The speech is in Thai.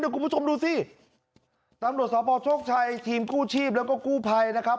คุณผู้ชมดูสิตำรวจสพโชคชัยทีมกู้ชีพแล้วก็กู้ภัยนะครับ